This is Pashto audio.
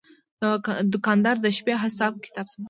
دوکاندار د شپې حساب کتاب سموي.